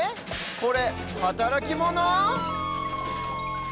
これはたらきモノ？